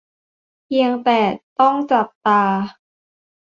เพียงแต่ต้องจับตา